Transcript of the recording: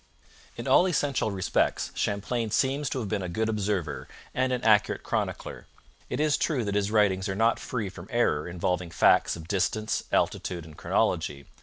In all essential respects Champlain seems to have been a good observer and an accurate chronicler. It is true that his writings are not free from error involving facts of distance, altitude, and chronology.